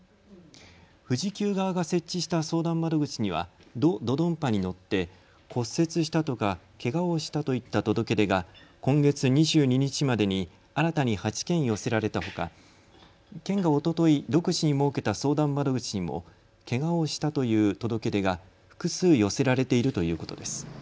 富士急側が設置した相談窓口にはド・ドドンパに乗って骨折したとか、けがをしたといった届け出が今月２２日までに新たに８件寄せられたほか県がおととい独自に設けた相談窓口もけがをしたという届け出が複数寄せられているということです。